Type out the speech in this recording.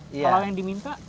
kalau yang diminta